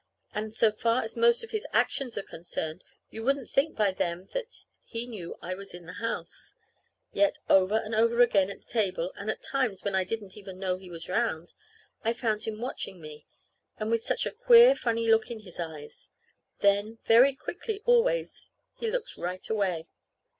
And so far as most of his actions are concerned you wouldn't think by them that he knew I was in the house, Yet, over and over again at the table, and at times when I didn't even know he was 'round, I've found him watching me, and with such a queer, funny look in his eyes. Then, very quickly always, he looks right away.